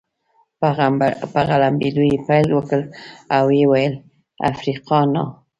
په غړمبېدو يې پیل وکړ او ويې ویل: افریقانا.